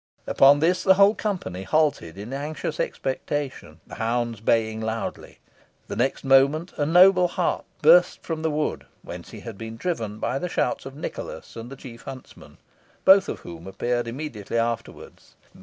Upon this the whole company halted in anxious expectation, the hounds baying loudly. The next moment, a noble hart burst from the wood, whence he had been driven by the shouts of Nicholas and the chief huntsman, both of whom appeared immediately afterwards.